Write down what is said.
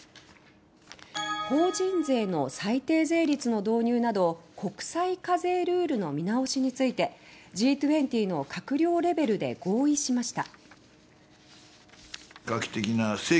法人税の最低税率の導入など国際課税ルールの見直しについてＧ２０の閣僚レベルで合意しました。